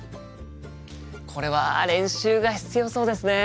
これは練習が必要そうですね。